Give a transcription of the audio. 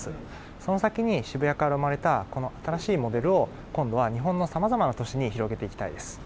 その先に渋谷から生まれた、この新しいモデルを、今度は日本のさまざまな都市に広げていきたいです。